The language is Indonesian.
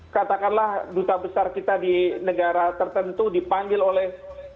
katakanlah duta besar kita di negara tertentu dipanggil oleh